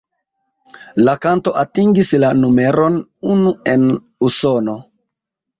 La kanto atingis la numeron unu en Usono.